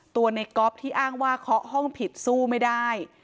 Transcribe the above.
ตัวในก๊อฟที่อ้างว่าเคาะห้องผิดสู้ไม่ได้